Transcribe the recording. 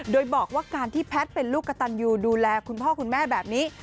โดยบอกว่าการที่แพทย์เป็นลูกกระตันยูดูแลคุณพ่อคุณแม่แบบนี้